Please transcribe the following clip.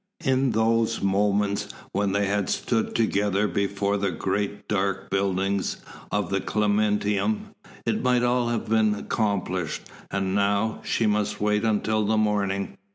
In those moments when they had stood together before the great dark buildings of the Clementinum, it might all have been accomplished; and now, she must wait until the morning.